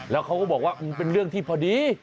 แล้วเขาก็บอกว่ามันเป็นเรื่องที่พอดี